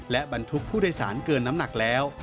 และบรรทุกผู้โดยสารเกินน้ำหนักแล้ว